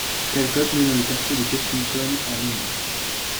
Callcott naît dans le quartier de Kensington à Londres.